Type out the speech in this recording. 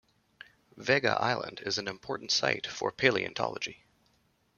Vega Island is an important site for paleontology.